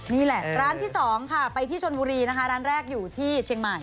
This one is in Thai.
นี่แหละร้านที่๒ค่ะไปที่ชนบุรีนะคะร้านแรกอยู่ที่เชียงใหม่